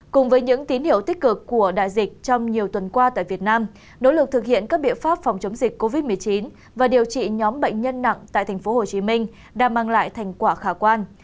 cùng với những tín hiệu tích cực của đại dịch trong nhiều tuần qua tại việt nam nỗ lực thực hiện các biện pháp phòng chống dịch covid một mươi chín và điều trị nhóm bệnh nhân nặng tại tp hcm đã mang lại thành quả khả quan